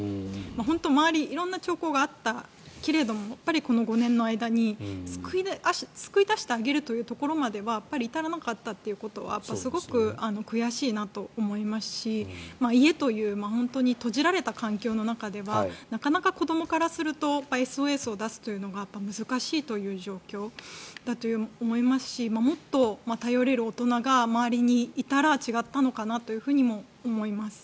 本当に周り色々な兆候があったけれどもこの５年の間に救い出してあげるというところまでは至らなかったということはすごく悔しいなと思いますし家という閉じられた環境の中ではなかなか子どもからするとＳＯＳを出すのが難しいという状況だと思いますしもっと頼れる大人が周りにいたら違ったのかなというふうにも思います。